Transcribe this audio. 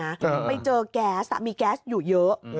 บ้างไปเจอกาซมีกาซอยู่เยอะ